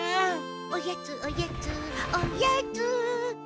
「おやつおやつおやつ」